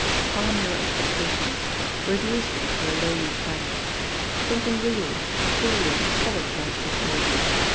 Calm your expectations; reduce them to a lowly standard. Something real, cool, and solid lies before you